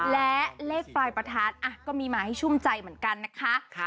และเลขปลายประทัดก็มีมาให้ชุ่มใจเหมือนกันนะคะ